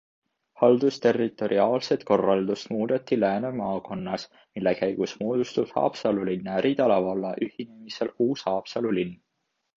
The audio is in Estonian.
Haldusterritoriaalset korraldust muudeti Lääne maakonnas, mille käigus moodustub Haapsalu linna ja Ridala valla ühinemisel uus Haapsalu linn.